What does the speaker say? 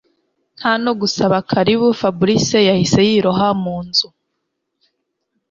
Ntanogusaba karibu Fabric yahise yiroha munzu